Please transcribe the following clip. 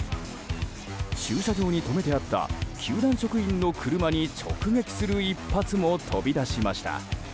駐車場に止めてあった球団職員の車に直撃する一発も飛び出しました。